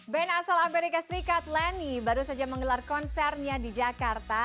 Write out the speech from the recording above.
band asal amerika serikat leni baru saja menggelar konsernya di jakarta